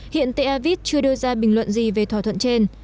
hiện tevid chưa đưa ra bình luận gì về thỏa thuận trên